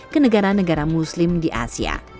ke negara negara muslim di asia